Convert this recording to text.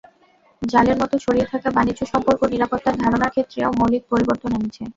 জালের মতো ছড়িয়ে থাকা বাণিজ্য সম্পর্ক নিরাপত্তার ধারণার ক্ষেত্রেও মৌলিক পরিবর্তন এনেছে।